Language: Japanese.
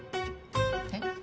えっ？